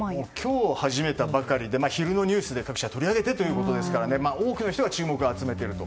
今日、始めたばかりで昼のニュースで各社が取り上げてということですから多くの人が注目を集めていると。